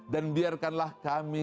dan biarkanlah kami